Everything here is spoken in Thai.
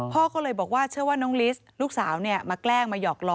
พ่อก็เลยบอกว่าเชื่อว่าน้องลิสลูกสาวมาแกล้งมาหยอกล้อ